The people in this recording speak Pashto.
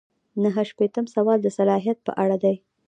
نهه شپیتم سوال د صلاحیت په اړه دی.